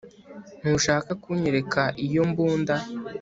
ntushaka kunyereka iyo mbunda